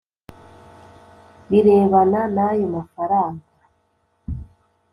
birebana n ayo mafaranga